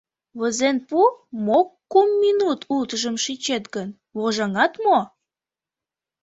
— Возен пу, мо кум минут утыжым шинчет гын, вожаҥат мо?